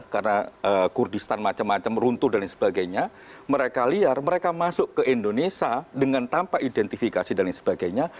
karena kurdistan macam macam runtuh dan sebagainya mereka liar mereka masuk ke indonesia dengan tanpa identifikasi dan sebagainya